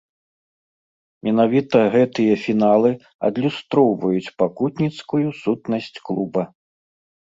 Менавіта гэтыя фіналы адлюстроўваюць пакутніцкую сутнасць клуба.